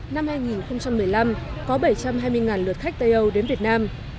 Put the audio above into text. năm hai nghìn một mươi năm có bảy trăm hai mươi lượt khách tây âu đến việt nam